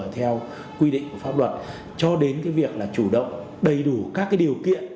theo quy định của pháp luật cho đến cái việc là chủ động đầy đủ các cái điều kiện